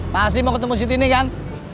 pasti mau ketemu si tini kan